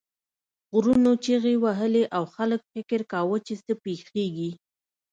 غرونو چیغې وهلې او خلک فکر کاوه چې څه پیښیږي.